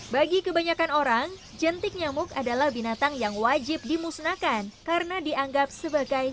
bagi kebanyakan orang jentik nyamuk adalah binatang yang wajib dimusnahkan karena dianggap sebagai